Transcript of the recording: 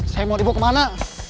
saya mau dibawa kemana